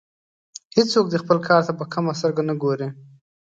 هیڅوک دې خپل کار ته په کمه سترګه نه ګوري.